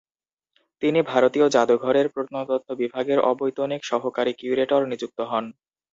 তিনি ভারতীয় জাদুঘরের প্রত্নতত্ত্ব বিভাগের অবৈতনিক সহকারী কিউরেটর নিযুক্ত হন।